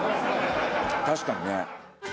確かにね。